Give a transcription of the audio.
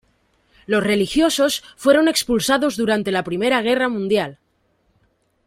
Los religiosos fueron expulsados durante la Primera Guerra Mundial.